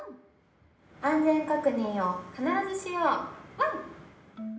安全確認を必ずしようワン！